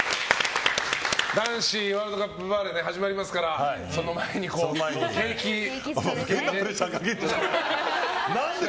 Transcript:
男子ワールドカップバレーが始まりますからその前に景気づけで。